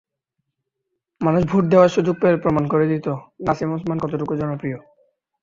মানুষ ভোট দেওয়ার সুযোগ পেলে প্রমাণ করে দিত, নাসিম ওসমান কতটুকু জনপ্রিয়।